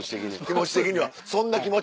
気持ち的にはそんな気持ち。